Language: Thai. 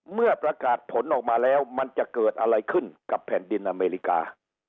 เมื่อประกาศผลออกมาแล้วมันจะเกิดอะไรขึ้นกับแผ่นดินอเมริกา